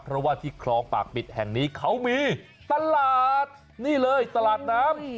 เพราะว่าที่คลองปากปิดแห่งนี้เขามีตลาดนี่เลยตลาดน้ำ